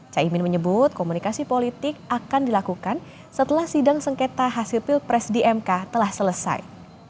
caimin menyebut komunikasi politik akan dilakukan setelah sidang sengketa hasil pilpres di mk telah selesai